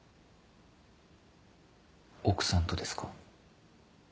奥さんとですか？